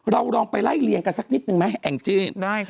เราลองไปไล่เลียงกันสักนิดนึงมั้ยเอาง่าย